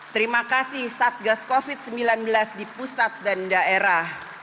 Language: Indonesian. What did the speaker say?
terima kasih satgas covid sembilan belas di pusat dan daerah